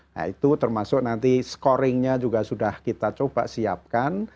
nah itu termasuk nanti scoringnya juga sudah kita coba siapkan